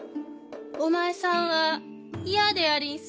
お前さんは嫌でありんす。